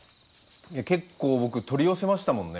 結構僕取り寄せましたもんね